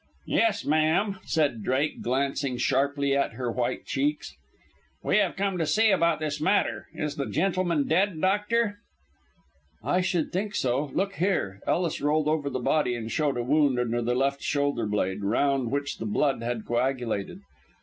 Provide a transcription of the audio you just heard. "Yes, ma'am," said Drake, glancing sharply at her white cheeks, "we have come to see about this matter. Is the gentleman dead, doctor?" "I should think so. Look here!" Ellis rolled over the body and showed a wound under the left shoulder blade, round which the blood had coagulated.